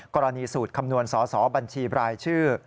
กรณีสูตรคำนวณสอสอบัญชีบรายชื่อ